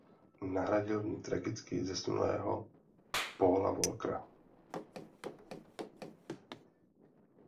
Nahradil v ní tragicky zesnulého Paula Walkera.